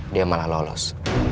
dia malah lolos